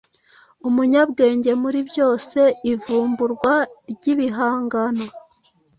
umunyabwenge muri byose Ivumburwa ryibihangano